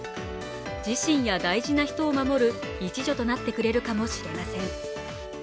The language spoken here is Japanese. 自身や大事な人を守る一助となってくれるかもしれません。